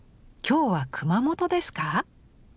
今日は熊本ですか？